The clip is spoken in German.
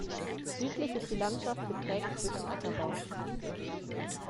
Südlich ist die Landschaft geprägt durch den Ackerbau.